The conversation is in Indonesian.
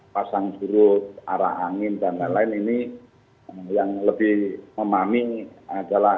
pasang surut arah angin dan lain lain ini yang lebih memahami adalah